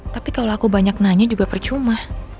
tapi kalo aku banyak nanya juga percuma